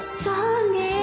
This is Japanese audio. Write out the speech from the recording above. そうね